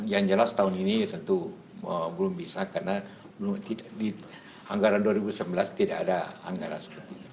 yang jelas tahun ini tentu belum bisa karena di anggaran dua ribu sembilan belas tidak ada anggaran seperti itu